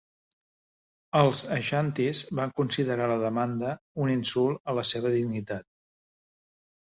Els aixantis van considerar la demanda un insult a la seva dignitat.